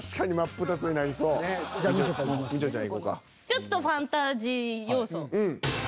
ちょっとファンタジー要素。